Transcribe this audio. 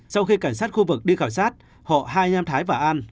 sau khi cảnh sát khu vực đi khảo sát họ hai anh em thái và an